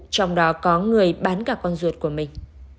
trong đó có người bán cả con ruột của mình